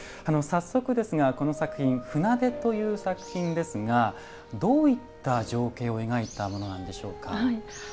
早速ですがこの作品「舟出」という作品ですがどういった情景を描いたものなんでしょうか？